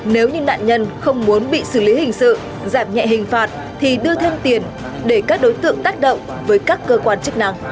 nếu như nạn nhân không muốn bị xử lý hình sự giảm nhẹ hình phạt thì đưa thêm tiền để các đối tượng tác động với các cơ quan chức năng